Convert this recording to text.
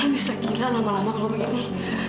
bisa kira lama lama kalau begini